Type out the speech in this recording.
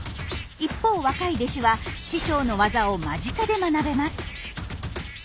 一方若い弟子は師匠の技を間近で学べます。